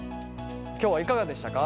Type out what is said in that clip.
今日はいかがでしたか？